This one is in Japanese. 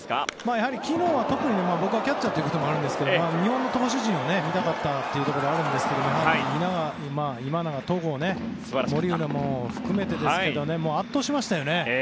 やはり昨日は僕がキャッチャーということもあるんですが日本の投手陣を見たかったというところもあるんですが今永、戸郷が圧倒しましたよね。